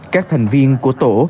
các thành viên của tổ